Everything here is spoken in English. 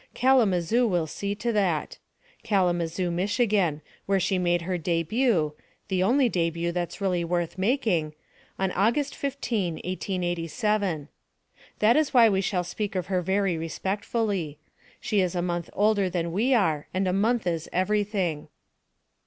Kalamazoo will see to that; Kala mazoo, Michigan, where she made her debut the only debut that's really worth making on August 15, 1887. That is why we shall speak of her very re 292 EDNA FERBER 293 spectfully. She is a month older than we are and a month is everything.